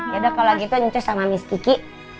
ya udah kalo gitu nyusah sama miss kiki